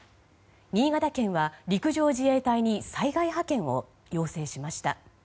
新潟県は、陸上自衛隊に災害派遣を要請しました。